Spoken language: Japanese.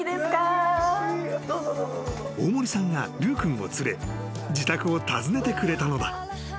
［大森さんがルー君を連れ自宅を訪ねてくれたのだ］